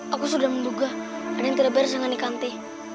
aku sudah menduga ada yang tidak bersenang nikanti